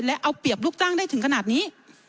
และเอาเปรียบลูกจ้างขนาดนี้